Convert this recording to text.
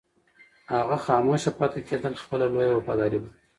هغه خاموشه پاتې کېدل خپله لویه وفاداري بولي.